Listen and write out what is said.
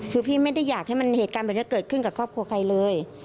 คือพี่ไม่ได้อยากให้มันเหตุการณ์แบบนี้เกิดขึ้นกับครอบครัวใครเลย